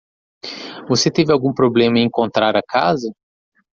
Você teve algum problema em encontrar a casa?